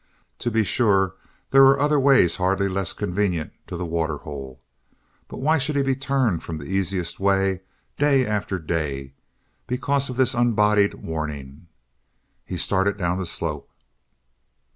To be sure there were other ways hardly less convenient to the waterhole, but why should he be turned from the easiest way day after day because of this unbodied warning? He started down the slope.